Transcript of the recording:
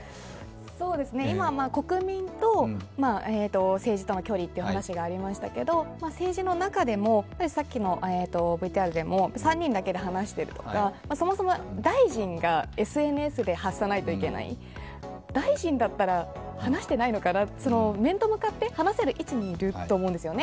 今、国民と政治の距離というお話がありましたけれども、政治の中でもさっきのＶＴＲでも３人だけで話してるとかそもそも大臣がＳＮＳで発さないといけない、大臣だったら、話してないのかな、面と向かって話せる位置にいると思うんですね。